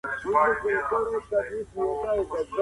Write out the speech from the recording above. ډیپلوماټیک ځوابونه باید په لوړ اخلاقي او منطقي معیارونو وي.